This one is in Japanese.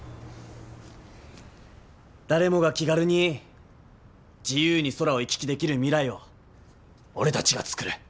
誰もが気軽に自由に空を行き来できる未来を俺たちが作る。